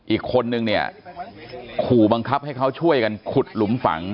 อีกคนนึงเนี่ยขู่บังคับให้เขาช่วยกันขุดหลุมฝัง